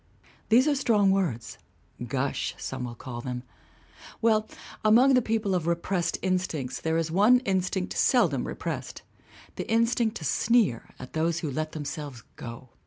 These are strong words. Gush, some will call them. Well, among the people of repressed instincts there 246 GRACE S. RICHMOND 247 is one instinct seldom repressed the instinct to sneer at those who let themselves go.